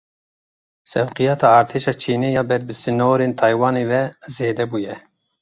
Sewqiyata Artêşa Çînê ya ber bi sînorên Taywanê ve zêde bûye.